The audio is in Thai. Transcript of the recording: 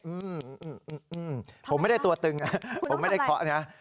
อืมผมไม่ได้ตัวตึงนะผมไม่ได้เคาะนะ